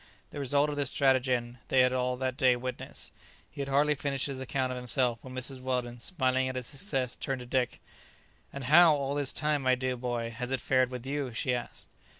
The result of his stratagem they had all that day witnessed. He had hardly finished his account of himself when Mrs. Weldon, smiling at his success, turned to Dick. "And how, all this time, my dear boy, has it fared with you?" she asked.